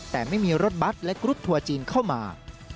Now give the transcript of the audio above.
แต่ไม่มีรถบัตรและกรุ๊ปทัวร์จีนเข้ามา